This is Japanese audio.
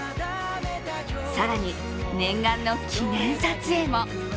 更に、念願の記念撮影も。